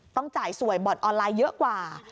ต้องจ่ายสวยบ่อนออนไลน์เยอะกว่า